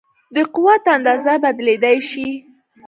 د قوت اندازه بدلېدای شي.